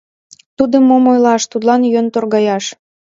Тудым мом ойлаш, тудлан йӧн торгаяш.